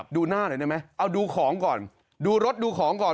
ดูหน้าหน่อยได้ไหมเอาดูของก่อนดูรถดูของก่อน